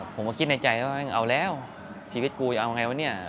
ผมก็คิดในใจว่าเอาแล้วชีวิตกูเอาไงวะเนี่ย